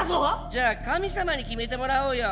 じゃあ神様に決めてもらおうよ。